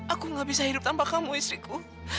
aku gak bisa hidup tanpa kamu istriku